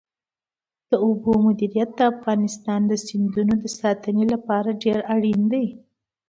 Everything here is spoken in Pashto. د اوبو مدیریت د افغانستان د سیندونو د ساتنې لپاره ډېر اړین دی.